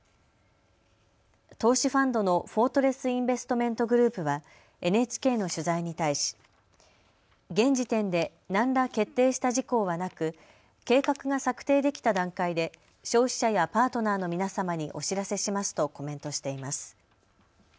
投資ファンドのフォートレス・インベストメント・グループはＮＨＫの取材に対し現時点で何ら決定した事項はなく計画が策定できた段階で消費者やパートナーの皆様にお知らせしますとコメントしています。